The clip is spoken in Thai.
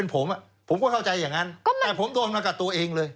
ผมผมก็เข้าใจอย่างนั้นแต่ผมโดนมากับตัวเองเลย